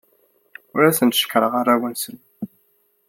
Ur asen-d-cekkṛeɣ arraw-nsen.